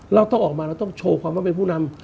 เราต้องออกมาเราต้องโชว์ความว่าเป็นผู้นำ